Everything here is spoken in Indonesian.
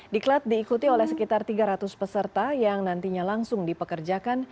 diklat diikuti oleh sekitar tiga ratus peserta yang nantinya langsung dipekerjakan